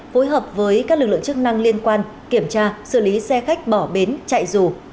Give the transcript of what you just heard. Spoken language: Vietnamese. phối hợp với các lực lượng chức năng liên quan kiểm tra xử lý xe khách bỏ bến chạy dù